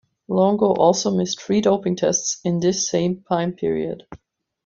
Longo also missed three doping tests in this same time period.